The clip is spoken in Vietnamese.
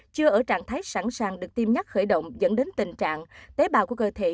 chưa ở trạng thái sẵn sàng được tiêm nhắc khởi động dẫn đến tình trạng tế bào của cơ thể